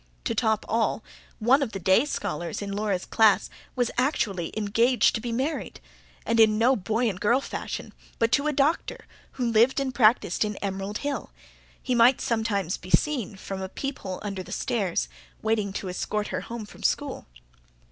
To top all, one of the day scholars in Laura's class was actually engaged to be married; and in no boy and girl fashion, but to a doctor who lived and practised in Emerald Hill: he might sometimes be seen, from a peephole under the stairs, waiting to escort her home from school.